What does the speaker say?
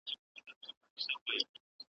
هره ورځ به دي تورونه ډک له ښکار سي .